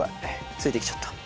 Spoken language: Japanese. ついてきちゃった。